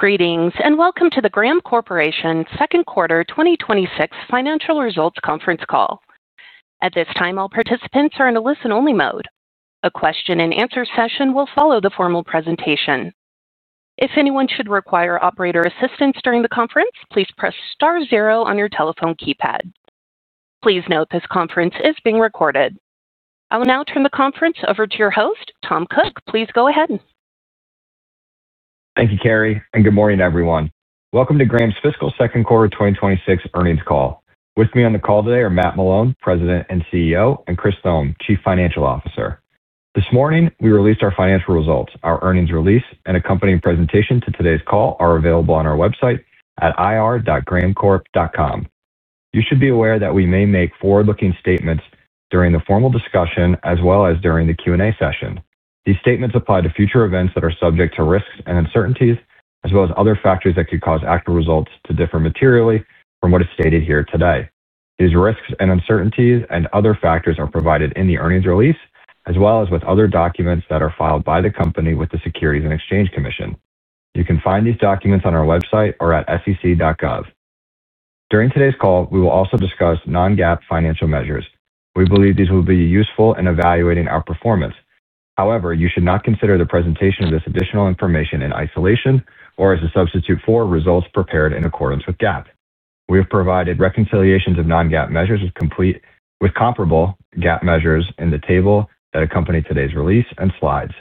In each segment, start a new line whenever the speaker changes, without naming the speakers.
Greetings, and welcome to the Graham Corporation second quarter 2026 financial results conference call. At this time, all participants are in a listen-only mode. A question-and-answer session will follow the formal presentation. If anyone should require operator assistance during the conference, please press star zero on your telephone keypad. Please note this conference is being recorded. I will now turn the conference over to your host, Tom Cook. Please go ahead.
Thank you, Carrie, and good morning, everyone. Welcome to Graham's fiscal second quarter 2026 earnings call. With me on the call today are Matt Malone, President and CEO, and Chris Thome, Chief Financial Officer. This morning, we released our financial results. Our earnings release and accompanying presentation to today's call are available on our website at ir.grahamcorp.com. You should be aware that we may make forward-looking statements during the formal discussion as well as during the Q&A session. These statements apply to future events that are subject to risks and uncertainties, as well as other factors that could cause actual results to differ materially from what is stated here today. These risks and uncertainties and other factors are provided in the earnings release, as well as with other documents that are filed by the company with the Securities and Exchange Commission. You can find these documents on our website or at sec.gov. During today's call, we will also discuss non-GAAP financial measures. We believe these will be useful in evaluating our performance. However, you should not consider the presentation of this additional information in isolation or as a substitute for results prepared in accordance with GAAP. We have provided reconciliations of non-GAAP measures with comparable GAAP measures in the table that accompanied today's release and slides.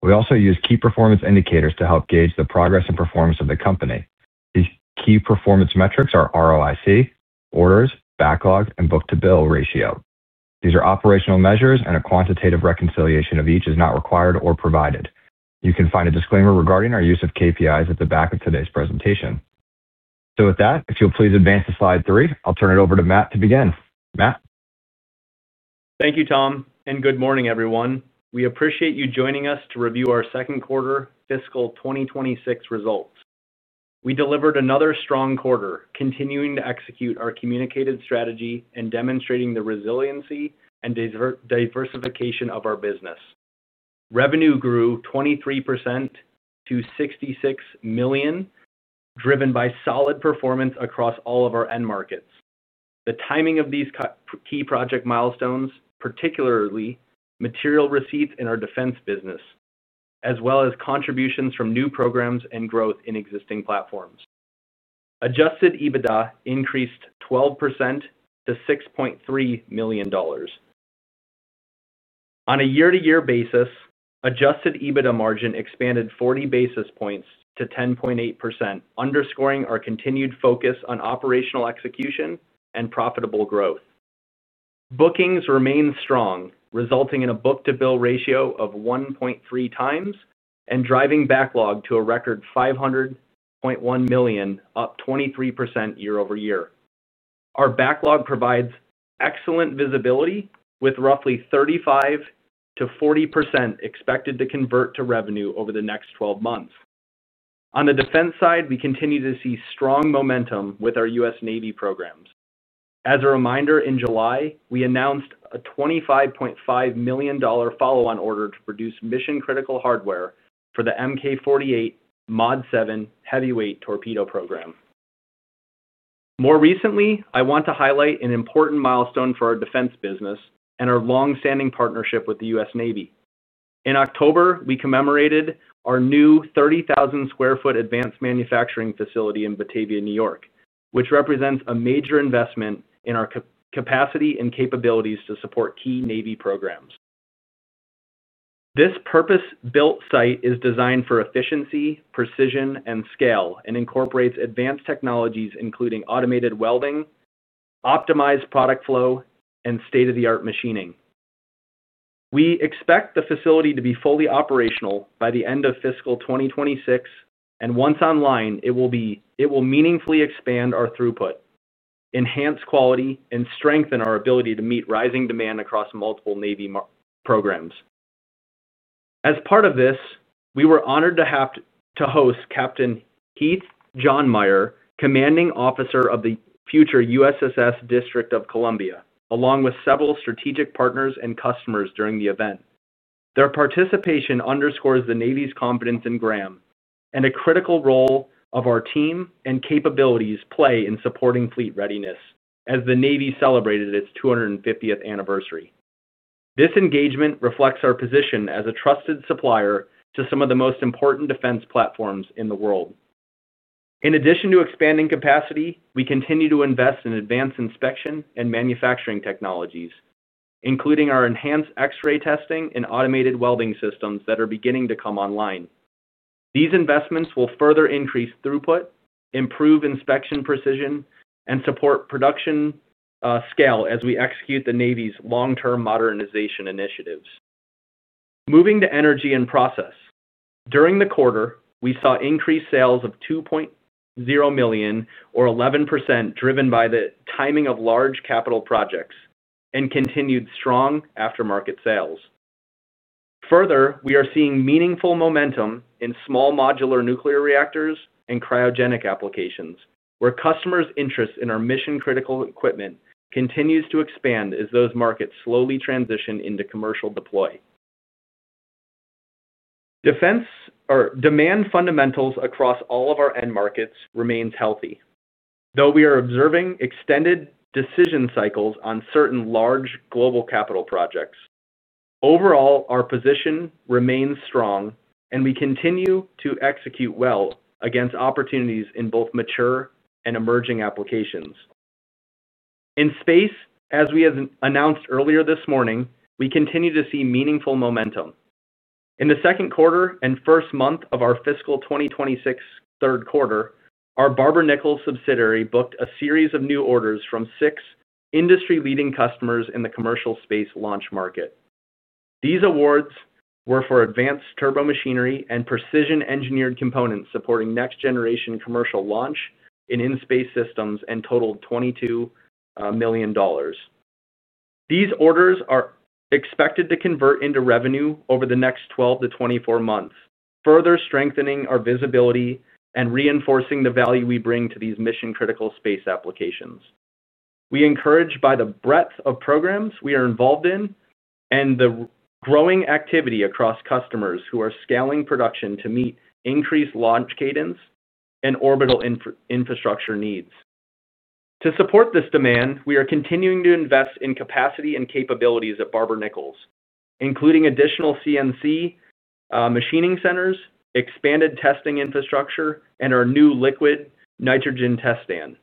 We also use key performance indicators to help gauge the progress and performance of the company. These key performance metrics are ROIC, orders, backlog, and book-to-bill ratio. These are operational measures, and a quantitative reconciliation of each is not required or provided. You can find a disclaimer regarding our use of KPIs at the back of today's presentation. If you'll please advance to slide three, I'll turn it over to Matt to begin. Matt.
Thank you, Tom, and good morning, everyone. We appreciate you joining us to review our second quarter fiscal 2026 results. We delivered another strong quarter, continuing to execute our communicated strategy and demonstrating the resiliency and diversification of our business. Revenue grew 23% to $66 million, driven by solid performance across all of our end markets. The timing of these key project milestones, particularly material receipts in our defense business, as well as contributions from new programs and growth in existing platforms. Adjusted EBITDA increased 12% to $6.3 million. On a year-to-year basis, Adjusted EBITDA margin expanded 40 basis points to 10.8%, underscoring our continued focus on operational execution and profitable growth. Bookings remained strong, resulting in a book-to-bill ratio of 1.3x and driving backlog to a record $500.1 million, up 23% year-over-year. Our backlog provides excellent visibility, with roughly 35%-40% expected to convert to revenue over the next 12 months. On the defense side, we continue to see strong momentum with our U.S. Navy programs. As a reminder, in July, we announced a $25.5 million follow-on order to produce mission-critical hardware for the MK48 Mod 7 Heavyweight Torpedo program. More recently, I want to highlight an important milestone for our defense business and our long-standing partnership with the U.S. Navy. In October, we commemorated our new 30,000 sq ft advanced manufacturing facility in Batavia, New York, which represents a major investment in our capacity and capabilities to support key Navy programs. This purpose-built site is designed for efficiency, precision, and scale, and incorporates advanced technologies including automated welding, optimized product flow, and state-of-the-art machining. We expect the facility to be fully operational by the end of fiscal 2026, and once online, it will meaningfully expand our throughput, enhance quality, and strengthen our ability to meet rising demand across multiple Navy programs. As part of this, we were honored to host Captain Heath Johnmeyer, Commanding Officer of the future USNS District of Columbia, along with several strategic partners and customers during the event. Their participation underscores the Navy's confidence in Graham and the critical role our team and capabilities play in supporting fleet readiness, as the Navy celebrated its 250th anniversary. This engagement reflects our position as a trusted supplier to some of the most important defense platforms in the world. In addition to expanding capacity, we continue to invest in advanced inspection and manufacturing technologies, including our enhanced X-ray testing and automated welding systems that are beginning to come online. These investments will further increase throughput, improve inspection precision, and support production scale as we execute the Navy's long-term modernization initiatives. Moving to energy and process. During the quarter, we saw increased sales of $2.0 million, or 11%, driven by the timing of large capital projects and continued strong aftermarket sales. Further, we are seeing meaningful momentum in small modular nuclear reactors and cryogenic applications, where customers' interest in our mission-critical equipment continues to expand as those markets slowly transition into commercial deploy. Defense demand fundamentals across all of our end markets remain healthy, though we are observing extended decision cycles on certain large global capital projects. Overall, our position remains strong, and we continue to execute well against opportunities in both mature and emerging applications. In space, as we announced earlier this morning, we continue to see meaningful momentum. In the second quarter and first month of our fiscal 2026 third quarter, our Barber-Nichols subsidiary booked a series of new orders from six industry-leading customers in the commercial space launch market. These awards were for advanced turbomachinery and precision-engineered components supporting next-generation commercial launch in in-space systems and totaled $22 million. These orders are expected to convert into revenue over the next 12-24 months, further strengthening our visibility and reinforcing the value we bring to these mission-critical space applications. We are encouraged by the breadth of programs we are involved in and the growing activity across customers who are scaling production to meet increased launch cadence and orbital infrastructure needs. To support this demand, we are continuing to invest in capacity and capabilities at Barber-Nichols, including additional CNC machining centers, expanded testing infrastructure, and our new liquid nitrogen test stand.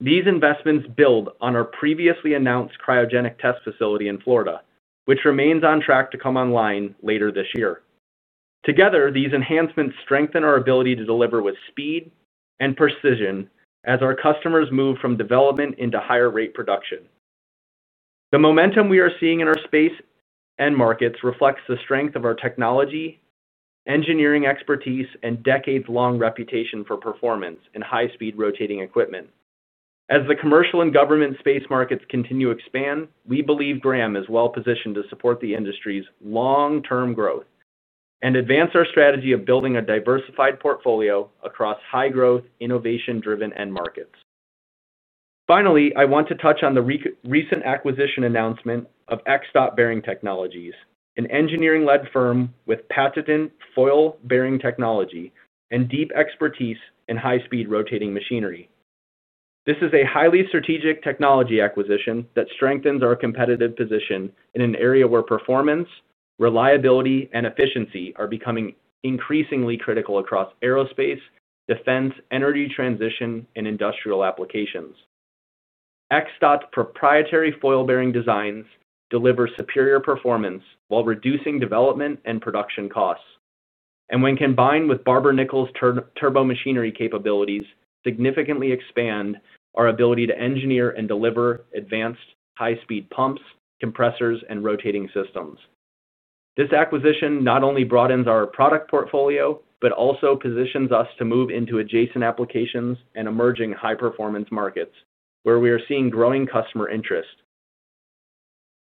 These investments build on our previously announced cryogenic test facility in Florida, which remains on track to come online later this year. Together, these enhancements strengthen our ability to deliver with speed and precision as our customers move from development into higher-rate production. The momentum we are seeing in our space and markets reflects the strength of our technology, engineering expertise, and decades-long reputation for performance in high-speed rotating equipment. As the commercial and government space markets continue to expand, we believe Graham is well-positioned to support the industry's long-term growth and advance our strategy of building a diversified portfolio across high-growth, innovation-driven end markets. Finally, I want to touch on the recent acquisition announcement of Xdot Bearing Technologies, an engineering-led firm with patented foil bearing technology and deep expertise in high-speed rotating machinery. This is a highly strategic technology acquisition that strengthens our competitive position in an area where performance, reliability, and efficiency are becoming increasingly critical across aerospace, defense, energy transition, and industrial applications. Xdot's proprietary foil bearing designs deliver superior performance while reducing development and production costs. When combined with Barber-Nichols' turbomachinery capabilities, this significantly expands our ability to engineer and deliver advanced high-speed pumps, compressors, and rotating systems. This acquisition not only broadens our product portfolio but also positions us to move into adjacent applications and emerging high-performance markets, where we are seeing growing customer interest.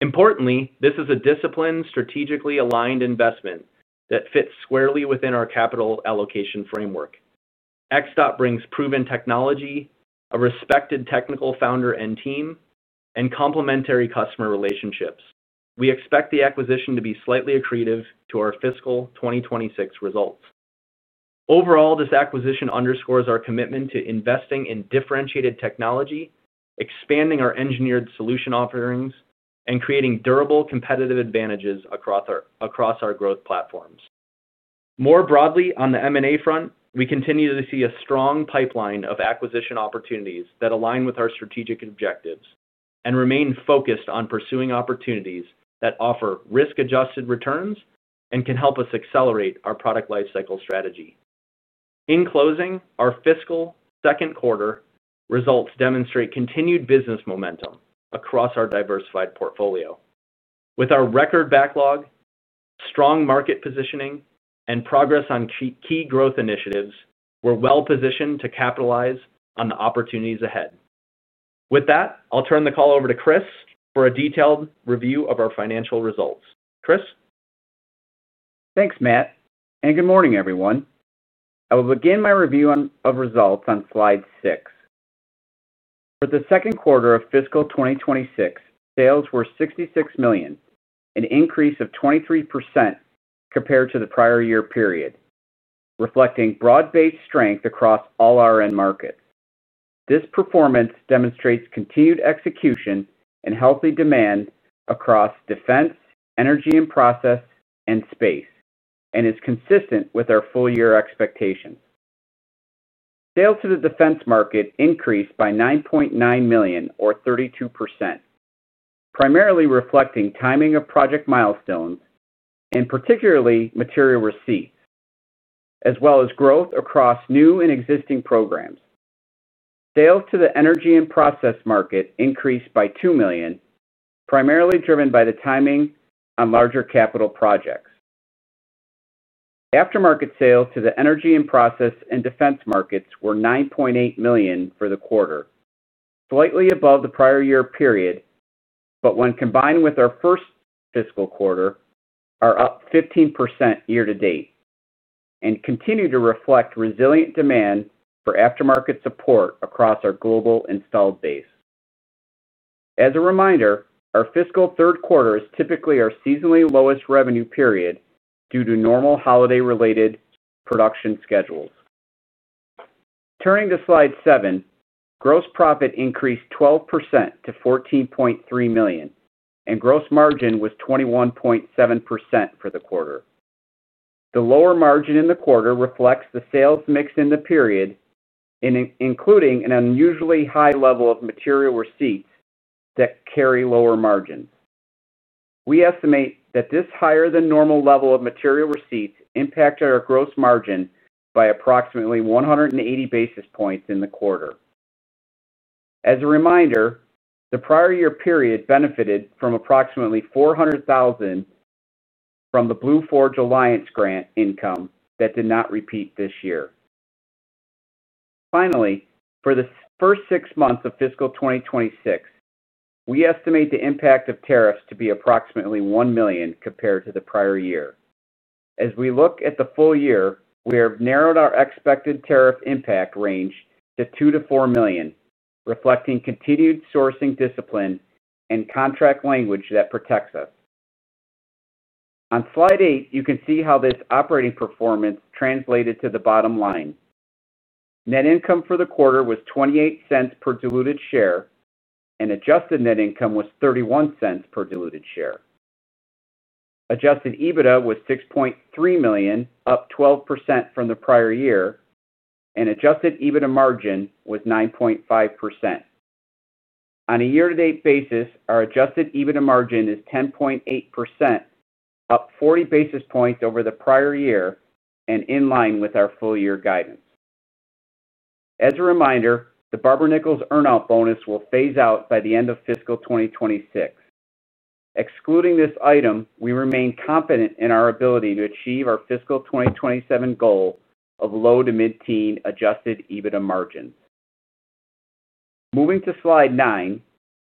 Importantly, this is a disciplined, strategically aligned investment that fits squarely within our capital allocation framework. Xdot brings proven technology, a respected technical founder and team, and complementary customer relationships. We expect the acquisition to be slightly accretive to our fiscal 2026 results. Overall, this acquisition underscores our commitment to investing in differentiated technology, expanding our engineered solution offerings, and creating durable competitive advantages across our growth platforms. More broadly, on the M&A front, we continue to see a strong pipeline of acquisition opportunities that align with our strategic objectives and remain focused on pursuing opportunities that offer risk-adjusted returns and can help us accelerate our product lifecycle strategy. In closing, our fiscal second quarter results demonstrate continued business momentum across our diversified portfolio. With our record backlog, strong market positioning, and progress on key growth initiatives, we're well-positioned to capitalize on the opportunities ahead. With that, I'll turn the call over to Chris for a detailed review of our financial results. Chris.
Thanks, Matt. Good morning, everyone. I will begin my review of results on slide six. For the second quarter of fiscal 2026, sales were $66 million, an increase of 23% compared to the prior year period, reflecting broad-based strength across all our end markets. This performance demonstrates continued execution and healthy demand across defense, energy and process, and space, and is consistent with our full-year expectations. Sales to the defense market increased by $9.9 million, or 32%, primarily reflecting timing of project milestones and particularly material receipts, as well as growth across new and existing programs. Sales to the energy and process market increased by $2 million, primarily driven by the timing on larger capital projects. Aftermarket sales to the energy and process and defense markets were $9.8 million for the quarter, slightly above the prior year period, but when combined with our first fiscal quarter, are up 15% year to date and continue to reflect resilient demand for aftermarket support across our global installed base. As a reminder, our fiscal third quarter is typically our seasonally lowest revenue period due to normal holiday-related production schedules. Turning to slide seven, gross profit increased 12% to $14.3 million, and gross margin was 21.7% for the quarter. The lower margin in the quarter reflects the sales mix in the period, including an unusually high level of material receipts that carry lower margins. We estimate that this higher-than-normal level of material receipts impacted our gross margin by approximately 180 basis points in the quarter. As a reminder, the prior year period benefited from approximately $400,000 from the BlueForge Alliance grant income that did not repeat this year. Finally, for the first six months of fiscal 2026, we estimate the impact of tariffs to be approximately $1 million compared to the prior year. As we look at the full year, we have narrowed our expected tariff impact range to $2 million-$4 million, reflecting continued sourcing discipline and contract language that protects us. On slide eight, you can see how this operating performance translated to the bottom line. Net income for the quarter was $0.28 per diluted share, and adjusted net income was $0.31 per diluted share. Adjusted EBITDA was $6.3 million, up 12% from the prior year, and Adjusted EBITDA margin was 9.5%. On a year-to-date basis, our Adjusted EBITDA margin is 10.8%, up 40 basis points over the prior year and in line with our full-year guidance. As a reminder, the Barber-Nichols earn-out bonus will phase out by the end of fiscal 2026. Excluding this item, we remain confident in our ability to achieve our fiscal 2027 goal of low to mid-teen Adjusted EBITDA margins. Moving to slide nine,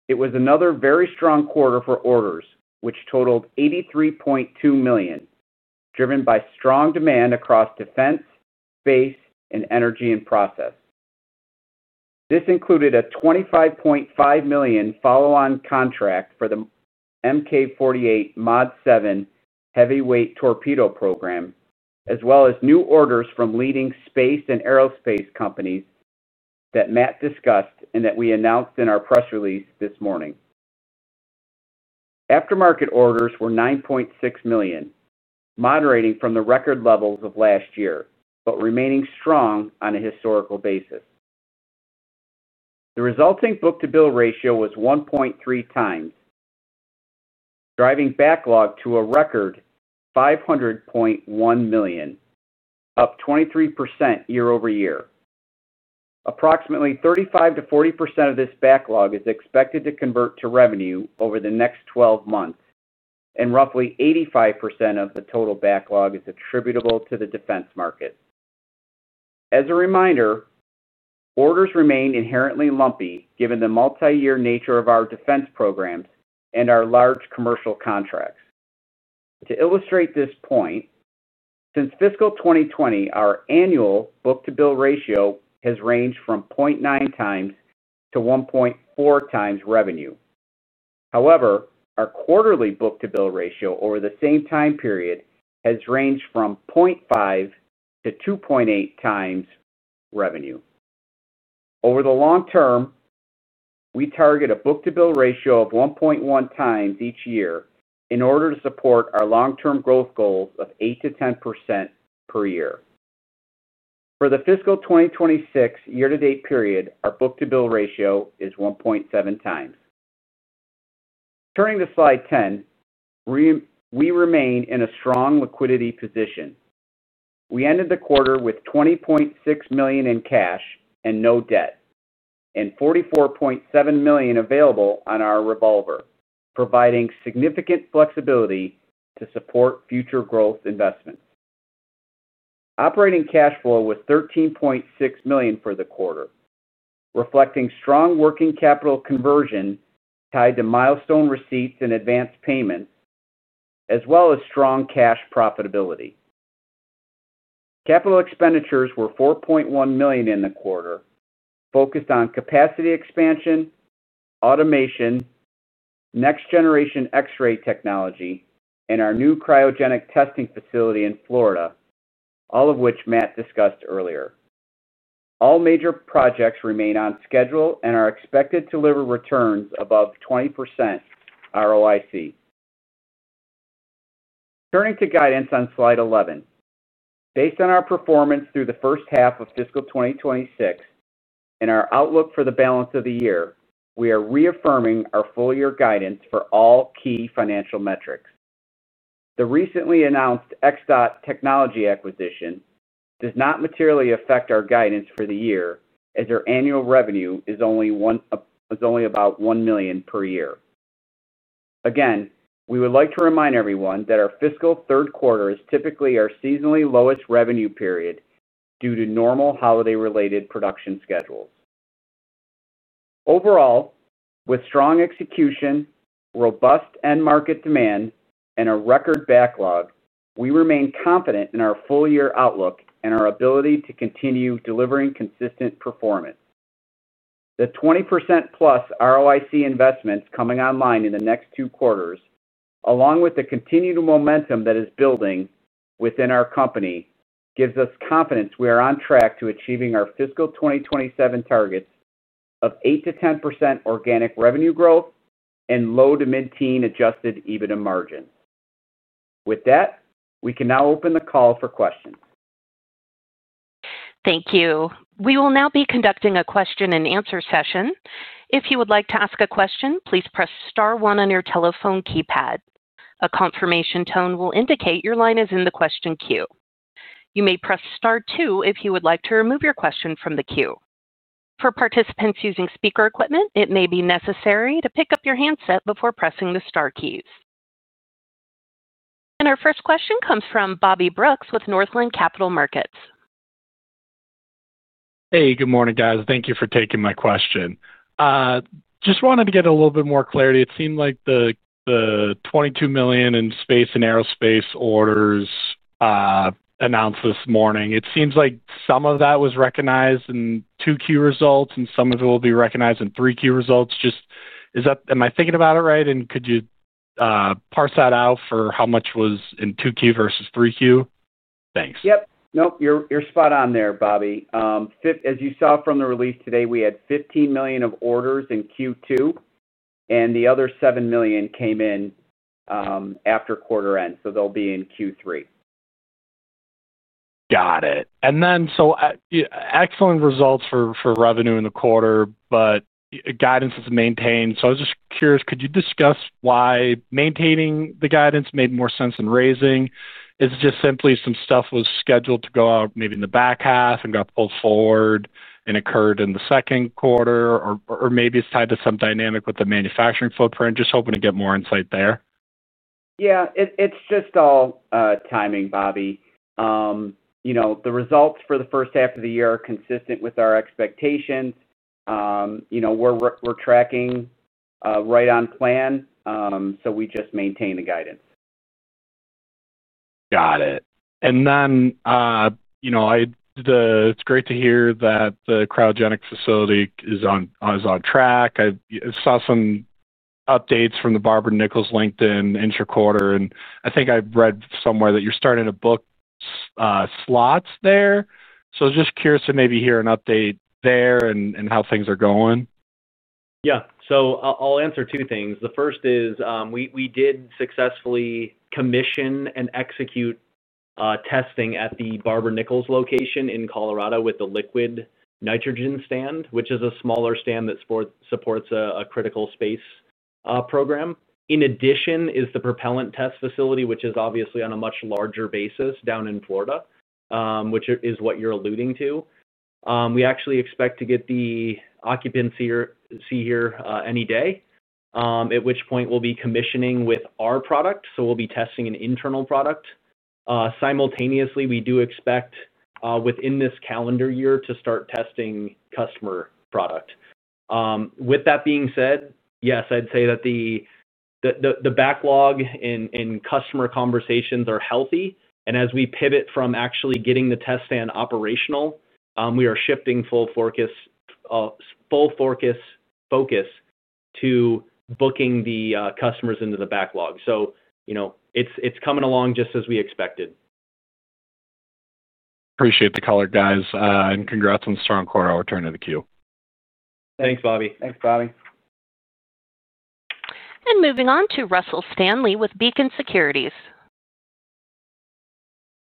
it was another very strong quarter for orders, which totaled $83.2 million, driven by strong demand across defense, space, and energy and process. This included a $25.5 million follow-on contract for the MK48 Mod 7 Heavyweight Torpedo program, as well as new orders from leading space and aerospace companies that Matt discussed and that we announced in our press release this morning. Aftermarket orders were $9.6 million, moderating from the record levels of last year but remaining strong on a historical basis. The resulting book-to-bill ratio was 1.3x, driving backlog to a record $500.1 million, up 23% year-over-year. Approximately 35%-40% of this backlog is expected to convert to revenue over the next 12 months, and roughly 85% of the total backlog is attributable to the defense market. As a reminder, orders remain inherently lumpy given the multi-year nature of our defense programs and our large commercial contracts. To illustrate this point, since fiscal 2020, our annual book-to-bill ratio has ranged from 0.9x-1.4x revenue. However, our quarterly book-to-bill ratio over the same time period has ranged from 0.5x-2.8x revenue. Over the long term, we target a book-to-bill ratio of 1.1x each year in order to support our long-term growth goals of 8%-10% per year. For the fiscal 2026 year-to-date period, our book-to-bill ratio is 1.7x. Turning to slide ten, we remain in a strong liquidity position. We ended the quarter with $20.6 million in cash and no debt, and $44.7 million available on our revolver, providing significant flexibility to support future growth investments. Operating cash flow was $13.6 million for the quarter, reflecting strong working capital conversion tied to milestone receipts and advanced payments, as well as strong cash profitability. Capital expenditures were $4.1 million in the quarter, focused on capacity expansion, automation, next-generation X-ray technology, and our new cryogenic testing facility in Florida, all of which Matt discussed earlier. All major projects remain on schedule and are expected to deliver returns above 20% ROIC. Turning to guidance on slide eleven, based on our performance through the first half of fiscal 2026 and our outlook for the balance of the year, we are reaffirming our full-year guidance for all key financial metrics. The recently announced Xdot technology acquisition does not materially affect our guidance for the year, as our annual revenue is only about $1 million per year. Again, we would like to remind everyone that our fiscal third quarter is typically our seasonally lowest revenue period due to normal holiday-related production schedules. Overall, with strong execution, robust end market demand, and a record backlog, we remain confident in our full-year outlook and our ability to continue delivering consistent performance. The 20%+ ROIC investments coming online in the next two quarters, along with the continued momentum that is building within our company, gives us confidence we are on track to achieving our fiscal 2027 targets of 8%-10% organic revenue growth and low to mid-teen Adjusted EBITDA margins. With that, we can now open the call for questions.
Thank you. We will now be conducting a question-and-answer session. If you would like to ask a question, please press star one on your telephone keypad. A confirmation tone will indicate your line is in the question queue. You may press star two if you would like to remove your question from the queue. For participants using speaker equipment, it may be necessary to pick up your handset before pressing the star keys. Our first question comes from Bobby Brooks with Northland Capital Markets.
Hey, good morning, guys. Thank you for taking my question. Just wanted to get a little bit more clarity. It seemed like the $22 million in space and aerospace orders announced this morning. It seems like some of that was recognized in 2Q results, and some of it will be recognized in 3Q results. Am I thinking about it right? Could you parse that out for how much was in 2Q versus 3Q? Thanks.
Yep. Nope. You're spot on there, Bobby. As you saw from the release today, we had $15 million of orders in Q2, and the other $7 million came in after quarter end, so they'll be in Q3.
Got it. Excellent results for revenue in the quarter, but guidance is maintained. I was just curious, could you discuss why maintaining the guidance made more sense than raising? Is it just simply some stuff was scheduled to go out maybe in the back half and got pulled forward and occurred in the second quarter, or maybe it is tied to some dynamic with the manufacturing footprint? Just hoping to get more insight there.
Yeah. It's just all timing, Bobby. The results for the first half of the year are consistent with our expectations. We're tracking right on plan, so we just maintain the guidance.
Got it. It's great to hear that the cryogenic facility is on track. I saw some updates from the Barber-Nichols LinkedIn intra-quarter, and I think I read somewhere that you're starting to book slots there. I was just curious to maybe hear an update there and how things are going.
Yeah. I'll answer two things. The first is we did successfully commission and execute testing at the Barber-Nichols location in Colorado with the liquid nitrogen stand, which is a smaller stand that supports a critical space program. In addition is the propellant test facility, which is obviously on a much larger basis down in Florida, which is what you're alluding to. We actually expect to get the occupancy here any day, at which point we'll be commissioning with our product. We'll be testing an internal product. Simultaneously, we do expect within this calendar year to start testing customer product. With that being said, yes, I'd say that the backlog and customer conversations are healthy. As we pivot from actually getting the test stand operational, we are shifting full focus to booking the customers into the backlog. It's coming along just as we expected.
Appreciate the color, guys. And congrats on the strong quarter. I'll return to the queue.
Thanks, Bobby.
Moving on to Russell Stanley with Beacon Securities.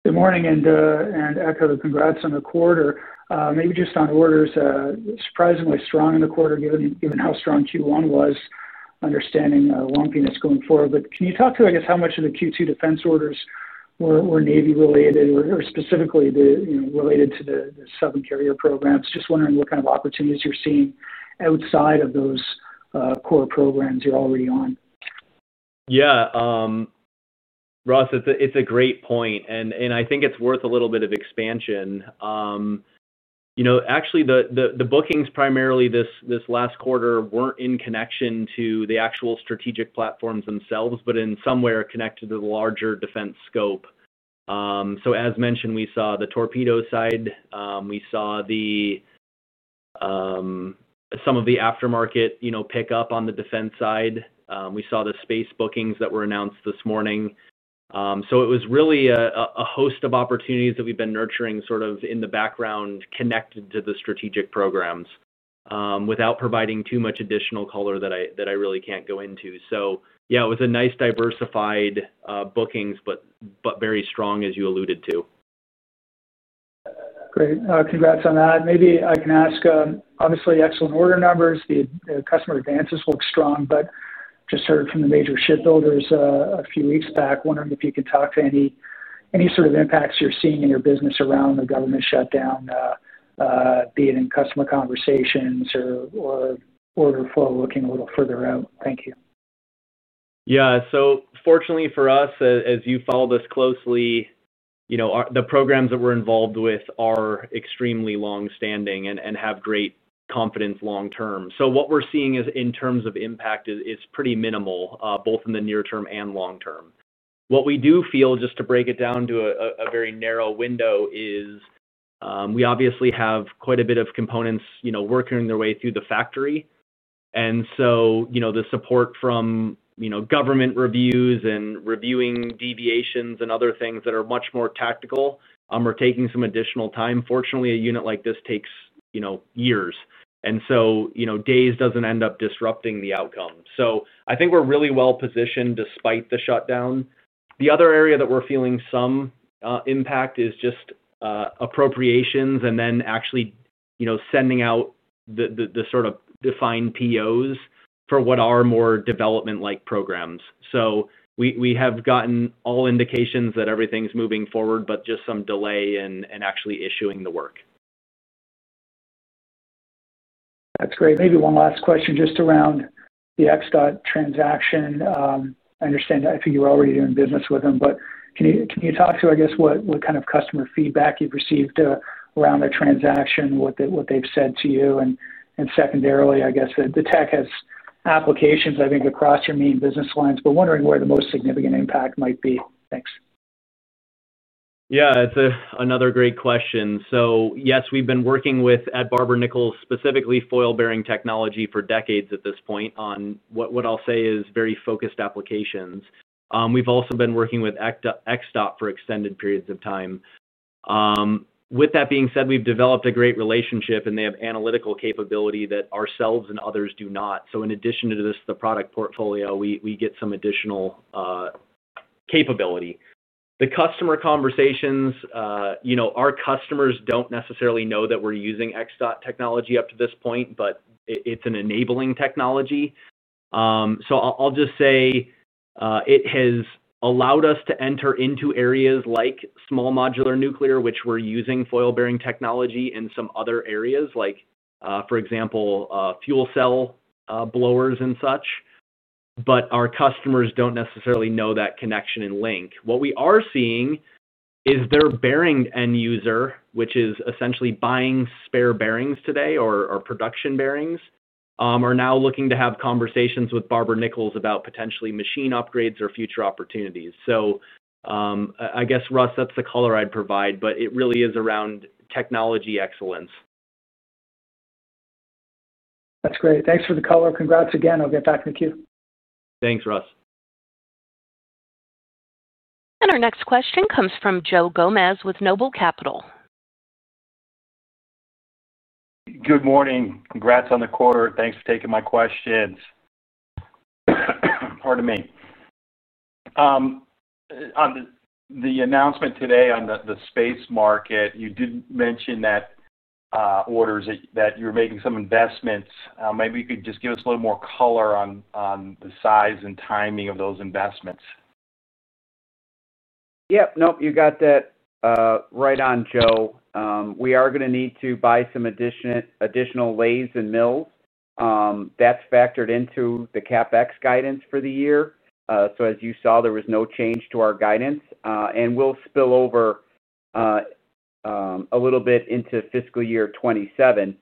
Good morning and echo the congrats on the quarter. Maybe just on orders, surprisingly strong in the quarter given how strong Q1 was, understanding lumpiness going forward. Can you talk to, I guess, how much of the Q2 defense orders were Navy-related or specifically related to the seven carrier programs? Just wondering what kind of opportunities you're seeing outside of those core programs you're already on.
Yeah. Russ, it's a great point. I think it's worth a little bit of expansion. Actually, the bookings primarily this last quarter were not in connection to the actual strategic platforms themselves, but in some way are connected to the larger defense scope. As mentioned, we saw the Torpedo side. We saw some of the aftermarket pick up on the defense side. We saw the space bookings that were announced this morning. It was really a host of opportunities that we've been nurturing sort of in the background connected to the strategic programs without providing too much additional color that I really can't go into. Yeah, it was a nice diversified bookings, but very strong, as you alluded to.
Great. Congrats on that. Maybe I can ask, obviously, excellent order numbers. The customer advances look strong, but just heard from the major shipbuilders a few weeks back, wondering if you could talk to any sort of impacts you're seeing in your business around the government shutdown, be it in customer conversations or order flow looking a little further out. Thank you.
Yeah. Fortunately for us, as you follow this closely, the programs that we're involved with are extremely long-standing and have great confidence long-term. What we're seeing in terms of impact is pretty minimal, both in the near term and long-term. What we do feel, just to break it down to a very narrow window, is we obviously have quite a bit of components working their way through the factory. The support from government reviews and reviewing deviations and other things that are much more tactical are taking some additional time. Fortunately, a unit like this takes years. Days do not end up disrupting the outcome. I think we're really well positioned despite the shutdown. The other area that we're feeling some impact is just appropriations and then actually sending out the sort of defined POs for what are more development-like programs. We have gotten all indications that everything's moving forward, but just some delay in actually issuing the work.
That's great. Maybe one last question just around the Xdot transaction. I understand I think you were already doing business with them, but can you talk to, I guess, what kind of customer feedback you've received around the transaction, what they've said to you? Secondarily, I guess, the tech has applications, I think, across your main business lines, but wondering where the most significant impact might be. Thanks.
Yeah. It's another great question. Yes, we've been working with Barber-Nichols, specifically foil bearing technology, for decades at this point on what I'll say is very focused applications. We've also been working with Xdot for extended periods of time. With that being said, we've developed a great relationship, and they have analytical capability that ourselves and others do not. In addition to this, the product portfolio, we get some additional capability. The customer conversations, our customers don't necessarily know that we're using Xdot technology up to this point, but it's an enabling technology. I'll just say it has allowed us to enter into areas like small modular nuclear, which we're using foil bearing technology in, some other areas, like, for example, fuel cell blowers and such. Our customers don't necessarily know that connection and link. What we are seeing is their bearing end user, which is essentially buying spare bearings today or production bearings, are now looking to have conversations with Barber-Nichols about potentially machine upgrades or future opportunities. I guess, Russ, that's the color I'd provide, but it really is around technology excellence.
That's great. Thanks for the color. Congrats again. I'll get back in the queue.
Thanks, Russ.
Our next question comes from Joe Gomes with Noble Capital.
Good morning. Congrats on the quarter. Thanks for taking my questions. Pardon me. On the announcement today on the space market, you did mention that orders, that you're making some investments. Maybe you could just give us a little more color on the size and timing of those investments.
Yep. Nope. You got that right on, Joe. We are going to need to buy some additional lathes and mills. That's factored into the CapEx guidance for the year. As you saw, there was no change to our guidance. We'll spill over a little bit into fiscal year 2027.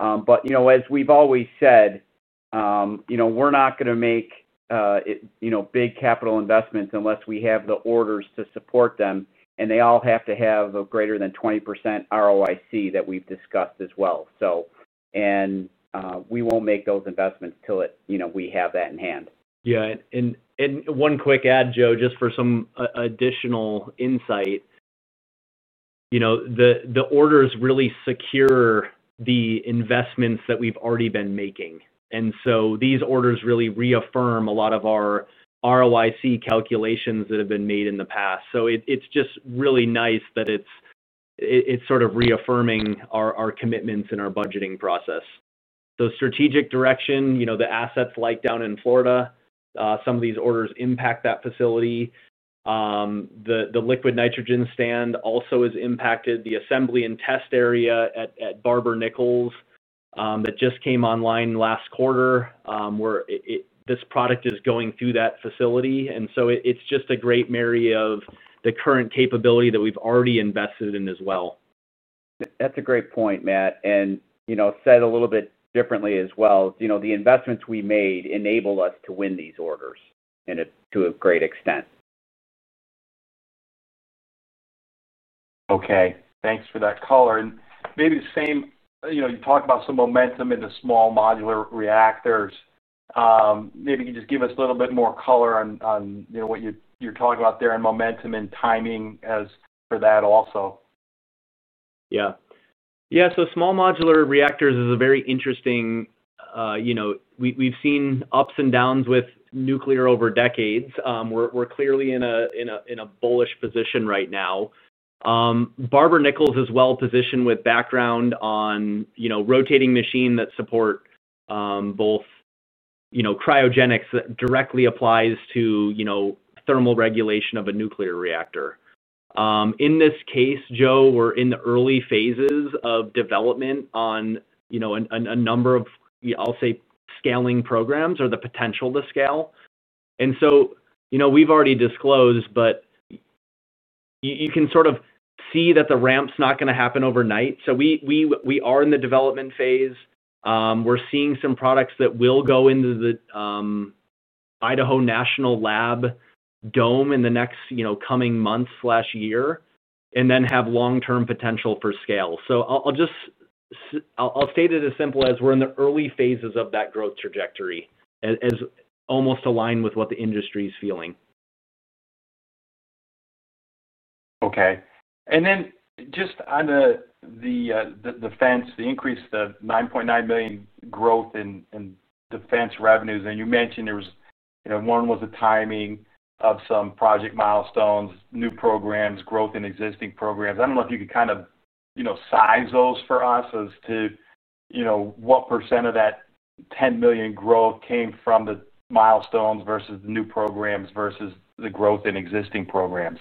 As we've always said, we're not going to make big capital investments unless we have the orders to support them. They all have to have a greater than 20% ROIC that we've discussed as well. We won't make those investments till we have that in hand.
Yeah. One quick add, Joe, just for some additional insight. The orders really secure the investments that we've already been making. These orders really reaffirm a lot of our ROIC calculations that have been made in the past. It is just really nice that it is sort of reaffirming our commitments in our budgeting process. Strategic direction, the assets like down in Florida, some of these orders impact that facility. The liquid nitrogen stand also is impacted. The assembly and test area at Barber-Nichols that just came online last quarter where this product is going through that facility. It is just a great marry of the current capability that we have already invested in as well. That is a great point, Matt. Said a little bit differently as well, the investments we made enable us to win these orders to a great extent.
Okay. Thanks for that color. Maybe the same, you talked about some momentum in the small modular reactors. Maybe you could just give us a little bit more color on what you're talking about there and momentum and timing as for that also.
Yeah. Yeah. Small modular reactors is a very interesting, we've seen ups and downs with nuclear over decades. We're clearly in a bullish position right now. Barber-Nichols is well positioned with background on rotating machine that support both cryogenics that directly applies to thermal regulation of a nuclear reactor. In this case, Joe, we're in the early phases of development on a number of, I'll say, scaling programs or the potential to scale. We've already disclosed, but you can sort of see that the ramp's not going to happen overnight. We are in the development phase. We're seeing some products that will go into the Idaho National Lab Dome in the next coming month/year and then have long-term potential for scale. I'll state it as simple as we're in the early phases of that growth trajectory and is almost aligned with what the industry is feeling.
Okay. And then just on the defense, the increase, the $9.9 million growth in defense revenues, and you mentioned there was one was the timing of some project milestones, new programs, growth in existing programs. I don't know if you could kind of size those for us as to what percent of that $10 million growth came from the milestones versus the new programs versus the growth in existing programs.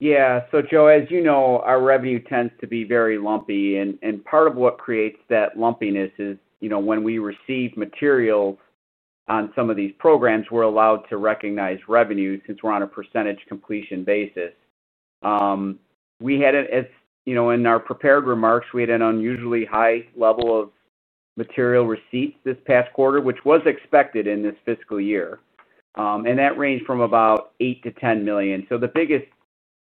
Yeah. So Joe, as you know, our revenue tends to be very lumpy. Part of what creates that lumpiness is when we receive materials on some of these programs, we're allowed to recognize revenue since we're on a percentage completion basis. We had, in our prepared remarks, an unusually high level of material receipts this past quarter, which was expected in this fiscal year. That ranged from about $8 million-$10 million.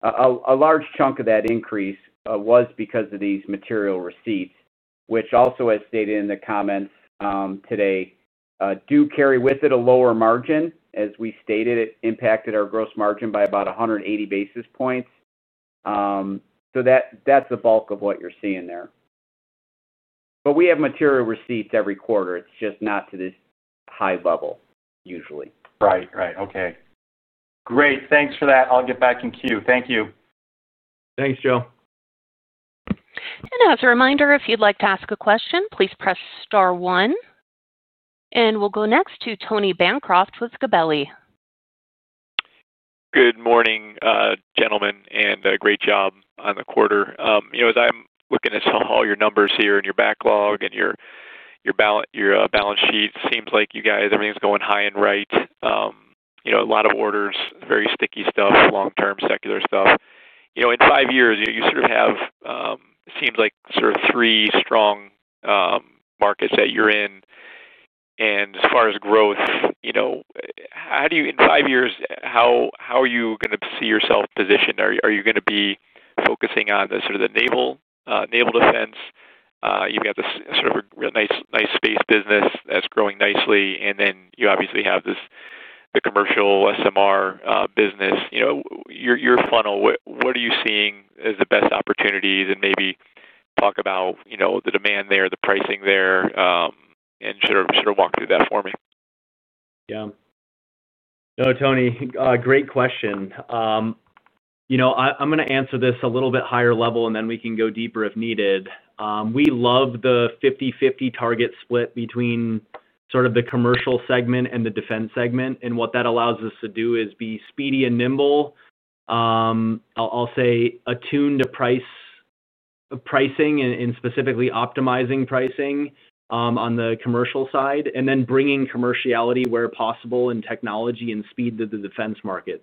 A large chunk of that increase was because of these material receipts, which also, as stated in the comments today, do carry with it a lower margin. As we stated, it impacted our gross margin by about 180 basis points. That's the bulk of what you're seeing there. We have material receipts every quarter. It's just not to this high level usually.
Right. Right. Okay. Great. Thanks for that. I'll get back in queue. Thank you.
Thanks, Joe.
As a reminder, if you'd like to ask a question, please press star one. We'll go next to Tony Bancroft with Gabelli.
Good morning, gentlemen, and great job on the quarter. As I'm looking at all your numbers here and your backlog and your balance sheet, it seems like everything's going high and right. A lot of orders, very sticky stuff, long-term secular stuff. In five years, you sort of have, it seems like, sort of three strong markets that you're in. As far as growth, in five years, how are you going to see yourself positioned? Are you going to be focusing on sort of the naval defense? You've got sort of a nice space business that's growing nicely. You obviously have the commercial SMR business. Your funnel, what are you seeing as the best opportunities? Maybe talk about the demand there, the pricing there, and sort of walk through that for me.
Yeah. No, Tony, great question. I'm going to answer this a little bit higher level, and then we can go deeper if needed. We love the 50/50 target split between sort of the commercial segment and the defense segment. What that allows us to do is be speedy and nimble, I'll say, attuned to pricing and specifically optimizing pricing on the commercial side, and then bringing commerciality where possible and technology and speed to the defense market.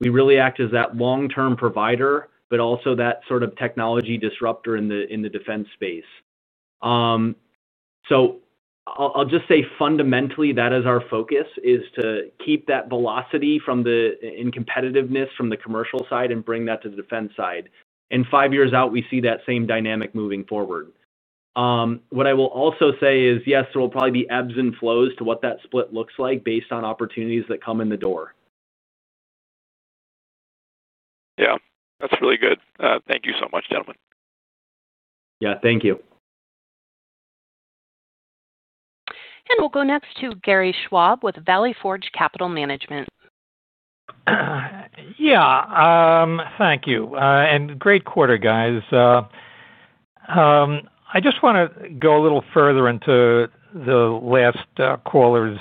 We really act as that long-term provider, but also that sort of technology disruptor in the defense space. I'll just say fundamentally, that is our focus, is to keep that velocity in competitiveness from the commercial side and bring that to the defense side. In five years out, we see that same dynamic moving forward. What I will also say is, yes, there will probably be ebbs and flows to what that split looks like based on opportunities that come in the door.
Yeah. That's really good. Thank you so much, gentlemen.
Yeah. Thank you.
We will go next to Gary Schwab with Valley Forge Capital Management.
Yeah. Thank you. Great quarter, guys. I just want to go a little further into the last caller's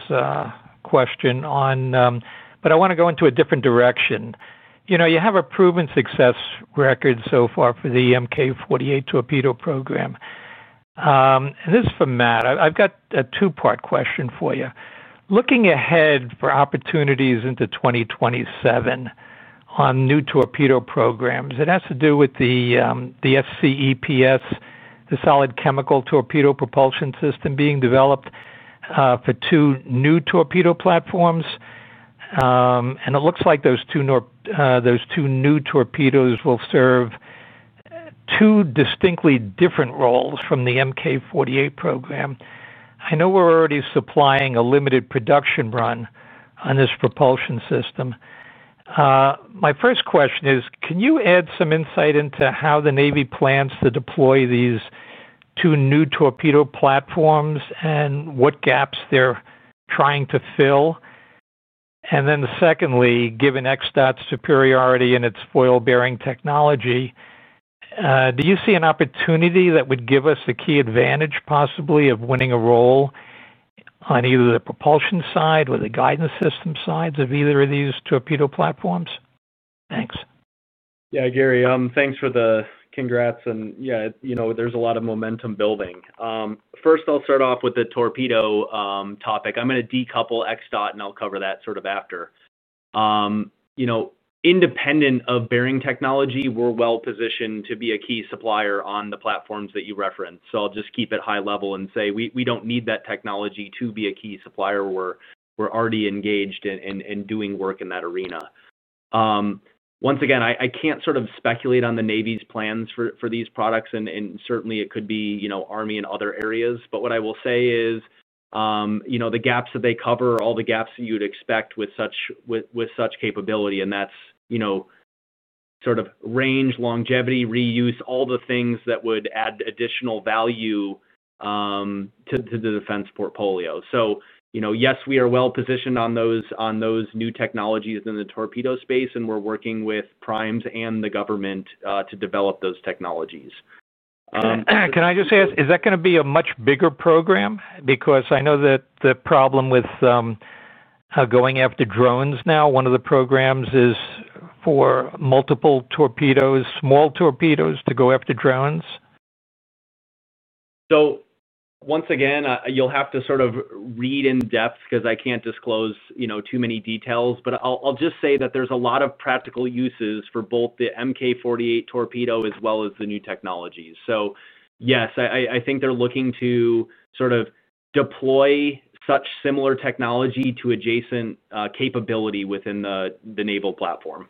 question, but I want to go into a different direction. You have a proven success record so far for the MK48 Torpedo program. This is for Matt. I've got a two-part question for you. Looking ahead for opportunities into 2027 on new Torpedo programs, it has to do with the SCEPS, the Solid Chemical Torpedo Propulsion System being developed for two new Torpedo platforms. It looks like those two new Torpedos will serve two distinctly different roles from the MK 48 program. I know we're already supplying a limited production run on this propulsion system. My first question is, can you add some insight into how the Navy plans to deploy these two new Torpedo platforms and what gaps they're trying to fill? Given Xdot's superiority in its foil bearing technology, do you see an opportunity that would give us a key advantage possibly of winning a role on either the propulsion side or the guidance system sides of either of these Torpedo platforms? Thanks.
Yeah. Gary, thanks for the congrats. Yeah, there's a lot of momentum building. First, I'll start off with the Torpedo topic. I'm going to decouple Xdot, and I'll cover that sort of after. Independent of bearing technology, we're well positioned to be a key supplier on the platforms that you referenced. I'll just keep it high level and say we don't need that technology to be a key supplier. We're already engaged in doing work in that arena. Once again, I can't sort of speculate on the U.S. Navy's plans for these products. Certainly, it could be Army and other areas. What I will say is the gaps that they cover are all the gaps that you would expect with such capability. That's sort of range, longevity, reuse, all the things that would add additional value to the defense portfolio. Yes, we are well positioned on those new technologies in the Torpedo space. And we're working with primes and the government to develop those technologies.
Can I just ask, is that going to be a much bigger program? Because I know that the problem with going after drones now, one of the programs is for multiple Torpedos, small Torpedos to go after drones.
Once again, you'll have to sort of read in depth because I can't disclose too many details. I'll just say that there's a lot of practical uses for both the MK48 Torpedo as well as the new technologies. Yes, I think they're looking to sort of deploy such similar technology to adjacent capability within the naval platform.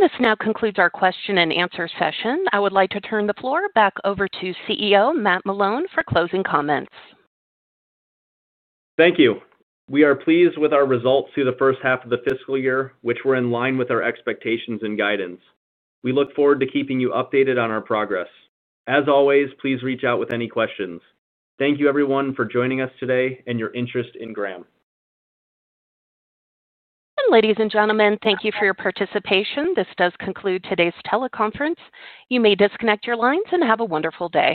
This now concludes our question-and-answer session. I would like to turn the floor back over to CEO Matt Malone for closing comments.
Thank you. We are pleased with our results through the first half of the fiscal year, which were in line with our expectations and guidance. We look forward to keeping you updated on our progress. As always, please reach out with any questions. Thank you, everyone, for joining us today and your interest in Graham.
Ladies and gentlemen, thank you for your participation. This does conclude today's teleconference. You may disconnect your lines and have a wonderful day.